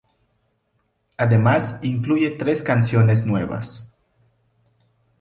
Además incluye tres canciones nuevas.